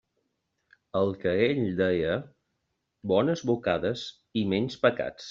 El que ell deia: «bones bocades i menys pecats».